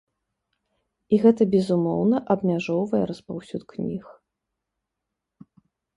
І гэта, безумоўна, абмяжоўвае распаўсюд кніг.